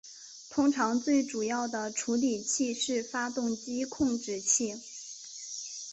通常最主要的处理器是发动机控制器。